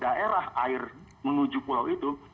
daerah air menuju pulau itu